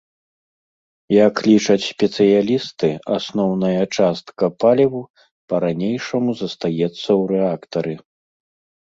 Як лічаць спецыялісты, асноўная частка паліва па-ранейшаму застаецца ў рэактары.